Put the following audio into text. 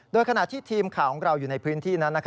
โดยขณะที่ทีมข่าวของเราอยู่ในพื้นที่นั้น